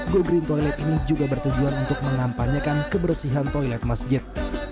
go green toilet ini juga bertujuan untuk mengampanyakan kebersihan toilet masjid